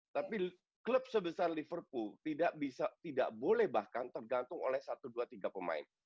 tapi klub sebesar liverpool tidak boleh bahkan tergantung oleh satu dua tiga pemain